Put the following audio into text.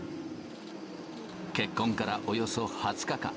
結婚からおよそ２０日間。